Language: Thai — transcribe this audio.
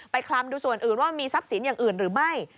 คลำดูส่วนอื่นว่ามีทรัพย์สินอย่างอื่นหรือไม่